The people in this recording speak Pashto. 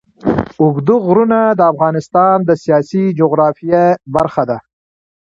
اوږده غرونه د افغانستان د سیاسي جغرافیه برخه ده.